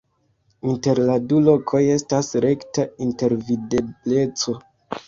Inter la du lokoj estas rekta intervidebleco.